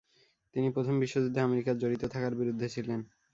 তিনি প্রথম বিশ্বযুদ্ধে আমেরিকার জড়িত থাকার বিরুদ্ধে ছিলেন।